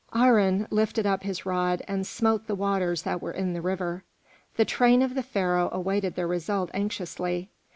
Aharon lifted up his rod and smote the waters that were in the river. The train of the Pharaoh awaited the result anxiously.